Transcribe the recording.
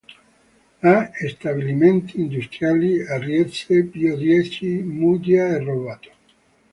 Ha stabilimenti industriali a Riese Pio X, Muggia e Rovato.